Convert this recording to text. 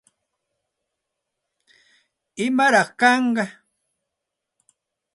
¿Imaraq kanqa?